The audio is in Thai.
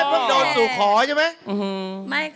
เพิ่งโดนสู่ขอใช่ไหม